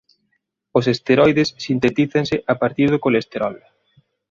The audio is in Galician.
Os esteroides sintetízanse a partir do colesterol.